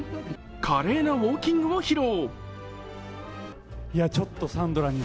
華麗なウォーキングを披露。